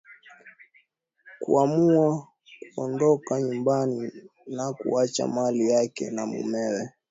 Kuamua kuondoka nyumbani na kuacha mali yake na mumeo.